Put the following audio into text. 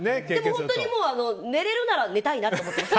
本当に寝れるなら寝たいなって。